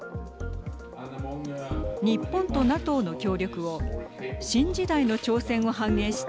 日本とＮＡＴＯの協力を新時代の挑戦を反映した